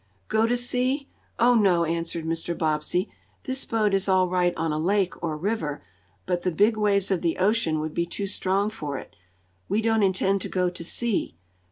"Go to sea? Oh, no!" answered Mr. Bobbsey. "This boat is all right on a lake, or river, but the big waves of the ocean would be too strong for it. We don't intend to go to sea.